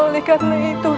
oleh karena itu